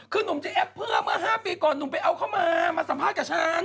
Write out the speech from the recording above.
คือหนุ่มจะแอปเพื่อเมื่อ๕ปีก่อนหนุ่มไปเอาเข้ามามาสัมภาษณ์กับฉัน